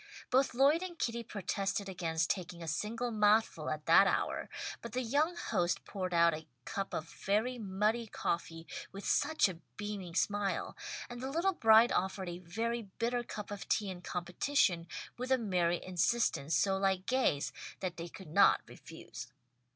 Both Lloyd and Kitty protested against taking a single mouthful at that hour, but the young host poured out a cup of very muddy coffee with such a beaming smile, and the little bride offered a very bitter cup of tea in competition, with a merry insistence so like Gay's, that they could not refuse.